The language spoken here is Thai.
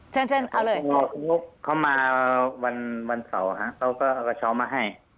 เชิญเชิญเอาเลยพอคุณนุ๊กเขามาวันเสาร์ฮะเขาก็เอากระเช้ามาให้